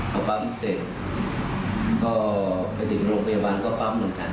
พอปั๊มเสร็จก็ไปถึงโรงพยาบาลก็ปั๊มเหมือนกัน